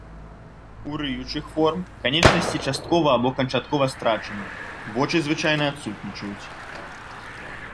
У рыючых форм канечнасці часткова або канчаткова страчаны, вочы звычайна адсутнічаюць.